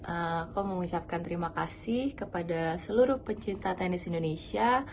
aku mengucapkan terima kasih kepada seluruh pecinta tenis indonesia